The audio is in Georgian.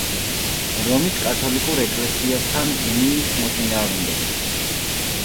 რომის კათოლიკურ ეკლესიასთან უნიის მოწინააღმდეგე.